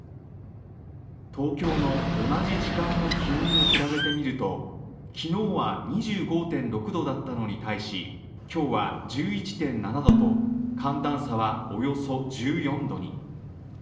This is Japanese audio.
東京の同じ時間の気温を比べてみると昨日は２５．６度だったのに対し、今日は１１．７度と寒暖差はおよそ１４度に。